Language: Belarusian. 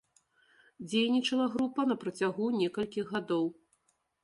Дзейнічала група на працягу некалькіх гадоў.